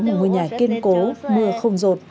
một ngôi nhà kiên cố mưa không rột